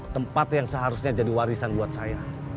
tempat yang seharusnya jadi warisan buat saya